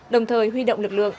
đồng thời huy động lực lượng